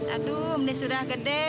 aduh ini sudah gede